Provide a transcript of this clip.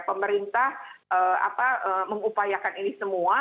pemerintah mengupayakan ini semua